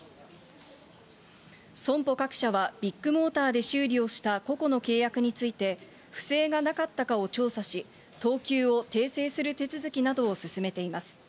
損保各社はビッグモーターで修理をした個々の契約について、不正がなかったかを調査し、等級を訂正する手続きなどを進めています。